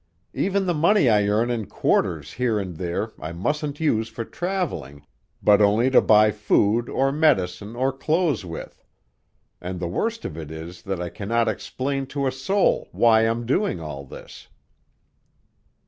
Even the money I earn in quarters here and there I mustn't use for traveling, but only to buy food or medicine or clothes with. And the worst of it is that I cannot explain to a soul why I'm doing all this."